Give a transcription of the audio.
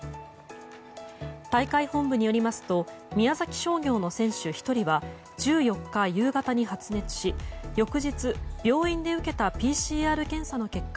大会本部によりますと宮崎商業の選手１人は１４日夕方に発熱し翌日、病院で受けたＰＣＲ検査の結果